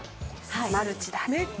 マルチだ。